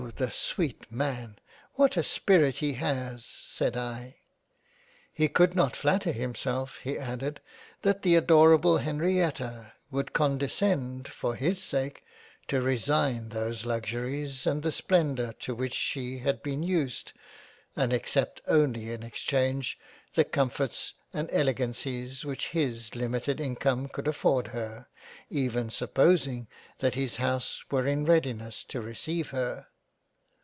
the sweet Man ! What a spirit he has !" said I. " He could not flatter himself he added, that the adorable Henrietta would condescend for his sak t to resign those Lux uries and that splendor to which she had been used, and accept only in exchange the Comforts and Elegancies which his limited Income could afford her, even supposing that his house were in Readiness to receive her.